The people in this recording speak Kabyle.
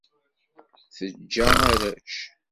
Teǧǧa arrac.